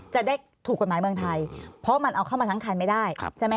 จะได้ถูกกฎหมายเมืองไทยเพราะมันเอาเข้ามาทั้งคันไม่ได้ใช่ไหม